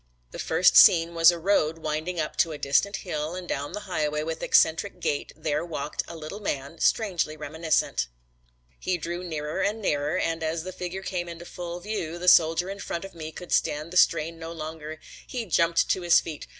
The first scene was a road winding up to a distant hill and down the highway with eccentric gait there walked a little man strangely reminiscent. He drew nearer and nearer and as the figure came into full view the soldier in front of me could stand the strain no longer. He jumped to his feet.